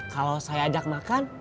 kalau saya ajak makan